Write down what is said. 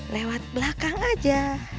lewat belakang aja